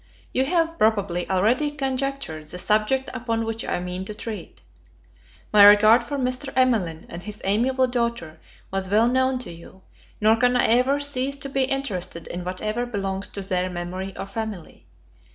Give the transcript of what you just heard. You have, probably, already conjectured the subject upon which I mean to treat. My regard for Mr. Evelyn, and his amiable daughter, was well known to you: nor can I ever cease to be interested in whatever belongs to their memory or family.